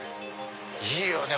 いいよね